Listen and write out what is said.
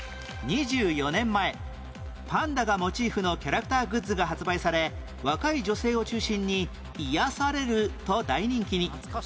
２４年前パンダがモチーフのキャラクターグッズが発売され若い女性を中心に癒やされると大人気に